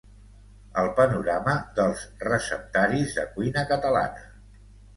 el panorama dels receptaris de cuina catalana